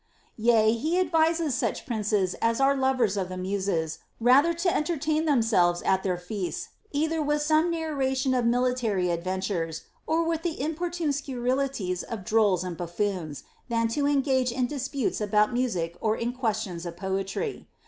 Yea, he advises such princes as are lovers of the Muses rather to entertain themselves at their feasts either with some narration of military adventures or with the importune scurrilities of drolls and buffoons, than to engage in dis putes about music or in questions of poetry.